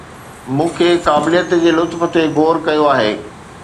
مون کي قابليت جي لطف تي غور ڪيو آهي